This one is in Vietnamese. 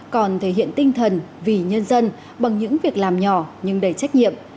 còn thể hiện tinh thần vì nhân dân bằng những việc làm nhỏ nhưng đầy trách nhiệm